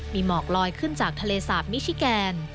มีหมอกลอยขึ้นจากทะเลสาบมิชิแกน